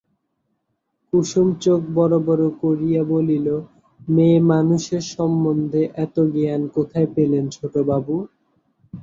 কুসুম চোখ বড় বড় করিয়া বলিল, মেয়েমানুষের সম্বন্ধে এত জ্ঞান কোথায় পেলেন ছোটবাবু?